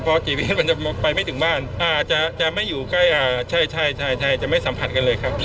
พอกี่เมตรมันจะไปไม่ถึงบ้านอาจจะไม่อยู่ใกล้ใช่จะไม่สัมผัสกันเลยครับ